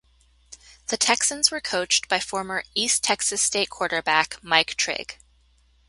The Texans were coached by former East Texas State quarterback Mike Trigg.